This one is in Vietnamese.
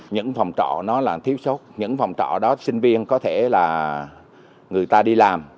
những phòng trọ nó là thiếu số những phòng trọ đó sinh viên có thể là người ta đi làm